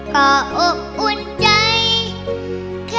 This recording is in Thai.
ก็อบอุ่นใจกัน